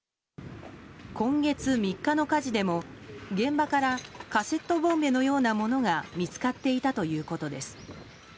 今月３日の火事でも、現場からカセットボンベのようなものが見つかっていたということです。